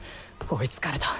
追いつかれた。